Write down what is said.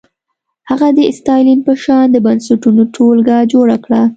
هغه د ستالین په شان د بنسټونو ټولګه جوړه کړه.